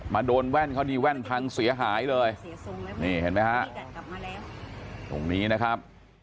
โดนแว่นเขาดีแว่นพังเสียหายเลยนี่เห็นไหมฮะตรงนี้นะครับ